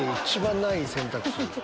一番ない選択肢。